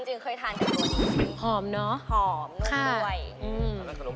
เฮ่ยไอ้เบบแปลกว่ะ